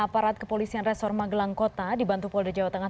aparat kepolisian resor magelang kota dibantu polda jawa tengah